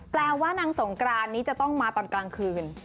แปลว่านางสงกรานนี้จะต้องมาตอนกลางคืน